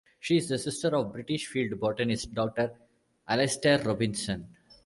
She is the sister of British field botanist Doctor Alastair Robinson.